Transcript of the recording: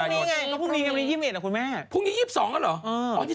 อันนี้น้องคิมตอบที่งั้นอีเวย์นั้น